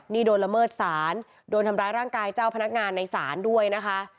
นี่โดนละเมิดศาลโดนทำร้ายร่างกายเจ้าพนักงานในศาลด้วยนะคะ